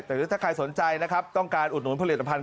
แต่ถ้าใครสนใจนะครับต้องการอุดหนุนผลิตภัณ